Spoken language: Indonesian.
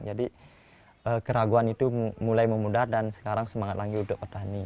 jadi keraguan itu mulai memudar dan sekarang semangat lagi untuk bertani